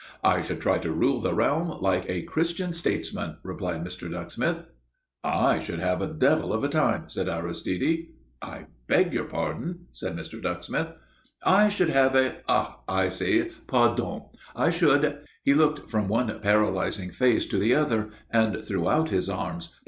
"I should try to rule the realm like a Christian statesman," replied Mr. Ducksmith. "I should have a devil of a time!" said Aristide. "I beg your pardon?" said Mr. Ducksmith. "I should have a ah, I see pardon. I should " He looked from one paralyzing face to the other, and threw out his arms.